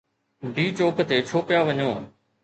D Chowk تي ڇو پيا وڃو؟